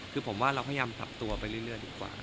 คือผมว่าเราพยายามปรับตัวไปเรื่อยดีกว่า